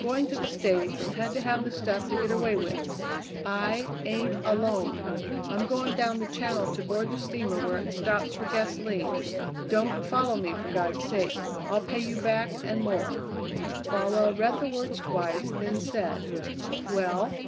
Going to the States, and had to have the stuff to get away with. I ain't alone! I'm going down the Channel to board the steamer where it stops for gasoline. Don't follow me for God's sake. I'll pay you back and more." Farwell read the words twice, then said: "Well?"